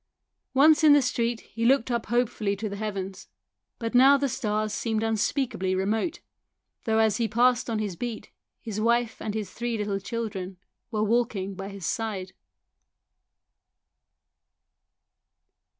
Once in the street he looked up hopefully to the heavens ; but now the stars seemed unspeakably remote, though as he passed along his beat his wife and his three little children were walking by his side.